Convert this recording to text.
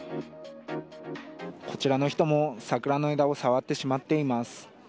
こちらの人も桜の枝を触ってしまっています。